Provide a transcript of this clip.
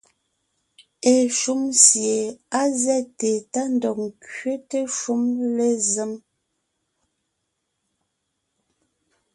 Eshúm sie á zɛ́te tá ńdɔg ńkẅéte shúm lézém.